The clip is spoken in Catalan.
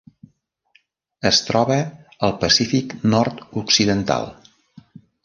Es troba al Pacífic nord-occidental.